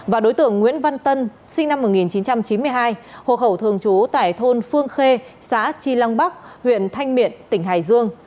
và đối tượng nguyễn văn tân sinh năm một nghìn chín trăm chín mươi hai hộ khẩu thường trú tại thôn phương khê xã tri lăng bắc huyện thanh miện tỉnh hải dương